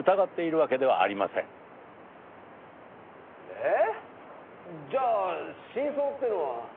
ええ？じゃあ真相っていうのは？